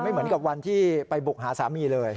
เหมือนกับวันที่ไปบุกหาสามีเลย